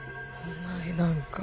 お前なんか。